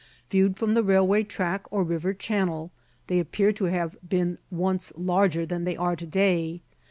Viewed from the railway track or river channel, they appear to have been once larger than they are to day.